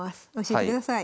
教えてください。